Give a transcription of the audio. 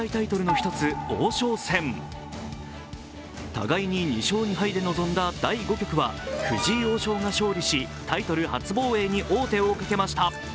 互いに２勝２敗で臨んだ第５局は藤井王将が勝利し、タイトル初防衛に王手をかけました。